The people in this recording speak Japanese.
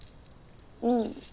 うん。